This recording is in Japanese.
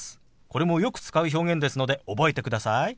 これもよく使う表現ですので覚えてください。